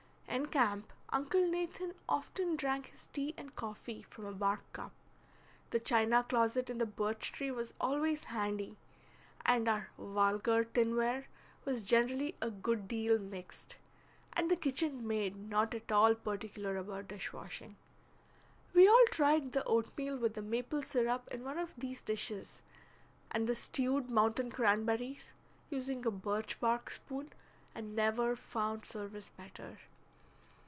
In camp Uncle Nathan often drank his tea and coffee from a bark cup; the china closet in the birch tree was always handy, and our vulgar tin ware was generally a good deal mixed, and the kitchen maid not at all particular about dish washing. We all tried the oatmeal with the maple syrup in one of these dishes, and the stewed mountain cranberries, using a birch bark spoon, and never found service better.